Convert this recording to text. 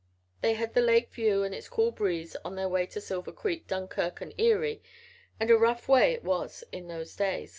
..." They had the lake view and its cool breeze on their way to Silver Creek, Dunkirk and Erie, and a rough way it was in those days.